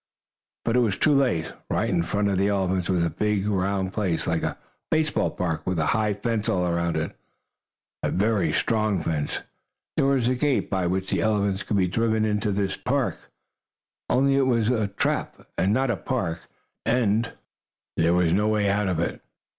But it was too late. Right in front of the elephants was a big round place, like a baseball park, with a high fence all around it a very strong fence. There was a gate by which the elephants could be driven into this park, only it was a trap, and not a park. And there was no way out of it.